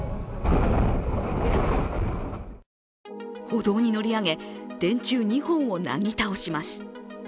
歩道に乗り上げ電柱２本をなぎ倒します。